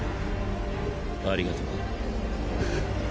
ありがとう。